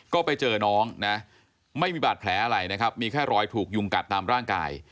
ก็ไปเจอน้องนะไม่มีบาดแผลอะไรนะครับมีแค่รอยถูกยุงกัดตามร่างกาย